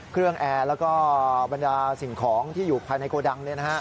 แอร์แล้วก็บรรดาสิ่งของที่อยู่ภายในโกดัง